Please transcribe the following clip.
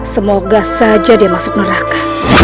semoga saja dia masuk neraka